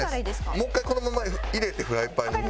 もう１回このまま入れてフライパンに。